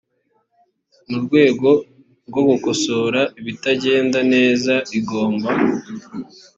mu rwego rwo gukosora ibitagenda neza igomba